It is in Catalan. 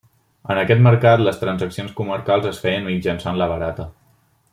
En aquest mercat les transaccions comercials es feien mitjançant la barata.